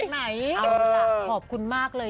เอาล่ะขอบคุณมากเลย